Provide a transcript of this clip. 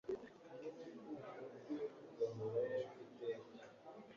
n’urukundo rwe rugahoraho iteka